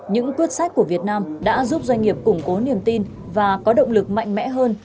những quyết sách của việt nam đã giúp doanh nghiệp củng cố niềm tin và có động lực mạnh mẽ hơn